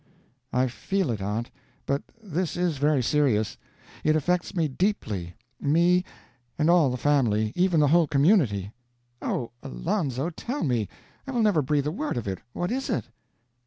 "I feel it, aunt, but this is very serious. It affects me deeply me, and all the family even the whole community." "Oh, Alonzo, tell me! I will never breathe a word of it. What is it?"